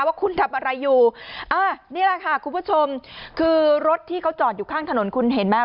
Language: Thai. ว่าคุณทำอะไรอยู่อ่านี่แหละค่ะคุณผู้ชมคือรถที่เขาจอดอยู่ข้างถนนคุณเห็นไหม